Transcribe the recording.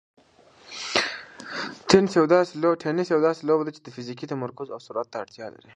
تېنس یوه داسې لوبه ده چې ډېر فزیکي تمرکز او سرعت ته اړتیا لري.